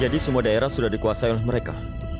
jadi semua daerah sudah dikuasai oleh mereka